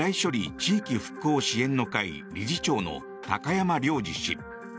・地域復興支援の会理事長の高山良二氏。